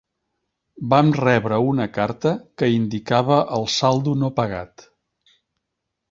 Vam rebre una carta que indicava el saldo no pagat.